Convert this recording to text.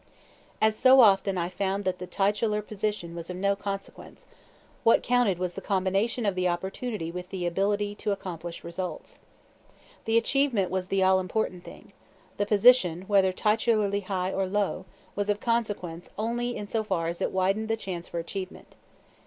As so often, I found that the titular position was of no consequence; what counted was the combination of the opportunity with the ability to accomplish results. The achievement was the all important thing; the position, whether titularly high or low, was of consequence only in so far as it widened the chance for achievement.